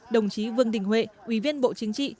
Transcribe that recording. đồng chí vương đình huệ ủy viên bộ chính trị